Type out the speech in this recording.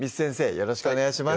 よろしくお願いします